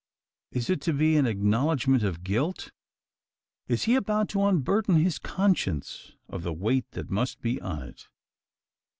Is it to be an acknowledgment of guilt? Is he about to unburden his conscience of the weight that must be on it?